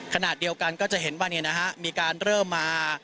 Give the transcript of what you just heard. ขณะเดียวกันก็จะเห็นว่ามีการเริ่มมา